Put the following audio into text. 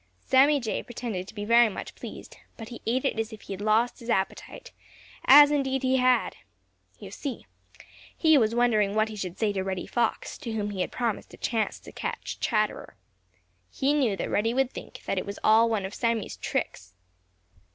Sammy Jay pretended to be very much pleased, but he ate it as if he had lost his appetite, as indeed he had. You see, he was wondering what he should say to Reddy Fox, to whom he had promised a chance to catch Chatterer. He knew that Reddy would think that it was all one of Sammy's tricks.